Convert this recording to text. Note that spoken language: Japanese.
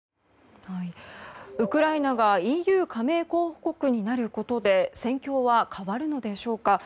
ウクライナがＥＵ加盟候補国になることで戦況は変わるのでしょうか。